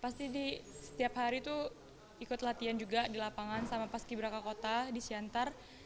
pasti di setiap hari itu ikut latihan juga di lapangan sama paski beraka kota di siantar